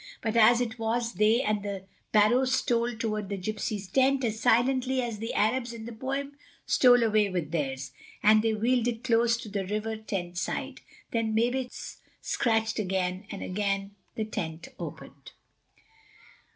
But as it was they and the barrow stole toward the gypsy's tent as silently as the Arabs in the poem stole away with theirs, and they wheeled it close to the riven tent side. Then Mavis scratched again, and again the tent opened.